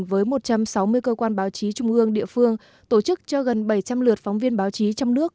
với một trăm sáu mươi cơ quan báo chí trung ương địa phương tổ chức cho gần bảy trăm linh lượt phóng viên báo chí trong nước